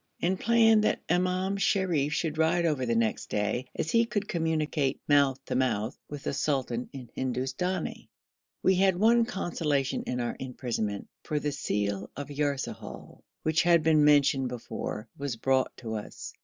and planned that Imam Sharif should ride over next day, as he could communicate 'mouth to mouth' with the sultan in Hindustani. We had one consolation in our imprisonment, for the seal of Yarsahal, which has been mentioned before, was brought to us.